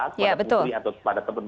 kepada pupuli atau kepada teman teman